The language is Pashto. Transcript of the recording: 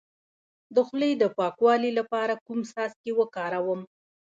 د خولې د پاکوالي لپاره کوم څاڅکي وکاروم؟